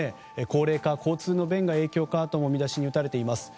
高齢化、交通の便が影響かとも見出しに打たれています。